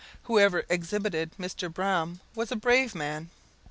Whoever exhibited Mr. Braham was a brave man.